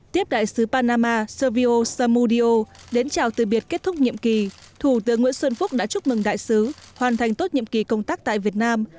tiếp đại sứ panama servio samudio đến chào từ biệt kết thúc nhiệm kỳ thủ tướng nguyễn xuân phúc đã chúc mừng đại sứ hoàn thành tốt nhiệm kỳ công tác tại việt nam